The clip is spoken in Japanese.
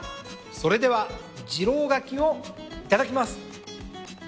それでは次郎柿をいただきます。